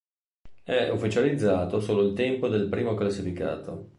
È ufficializzato solo il tempo del primo classificato.